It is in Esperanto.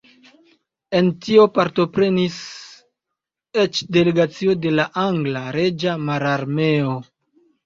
En tio partoprenis eĉ delegacio de la angla Reĝa Mararmeo.